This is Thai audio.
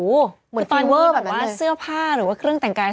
คือตอนที่แบบว่าเสื้อผ้าหรือว่าเครื่องแต่งกาย